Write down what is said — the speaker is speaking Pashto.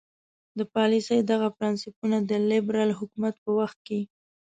د پالیسۍ دغه پرنسیپونه د لیبرال حکومت په وخت کې.